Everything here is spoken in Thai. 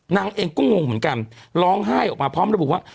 นางเองก็งงเหมือนกันร้องไห้ออกมาพร้อมระบุว่า